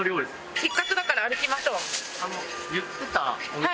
せっかくだから歩きましょう。